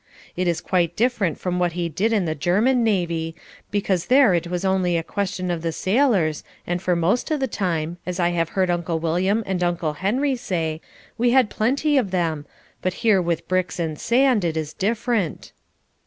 It is quite different from what he did in the German navy, because there it was only a question of the sailors and for most of the time, as I have heard Uncle William and Uncle Henry say, we had plenty of them, but here with bricks and sand it is different.